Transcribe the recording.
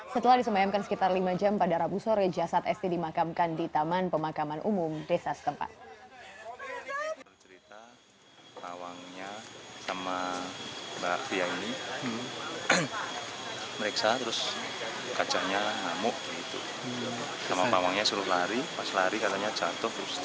setelah disemayamkan sekitar lima jam pada rabu sore jasad esti dimakamkan di taman pemakaman umum desa setempat